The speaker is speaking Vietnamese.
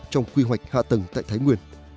trong quy hoạch hạ tầng tại thái nguyên